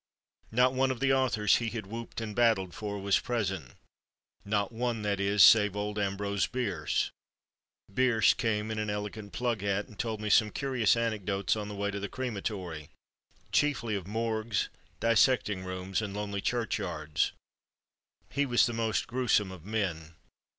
Not one of the authors he had whooped and battled for was present—not one, that is, save old Ambrose Bierce. Bierce came in an elegant plug hat and told me some curious anecdotes on the way to the crematory, chiefly of morgues, dissecting rooms and lonely church yards: he was the most gruesome of men.